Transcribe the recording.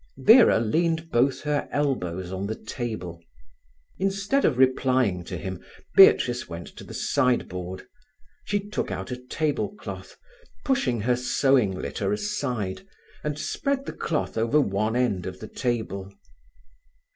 Vera leaned both her elbows on the table. Instead of replying to him, Beatrice went to the sideboard. She took out a table cloth, pushing her sewing litter aside, and spread the cloth over one end of the table.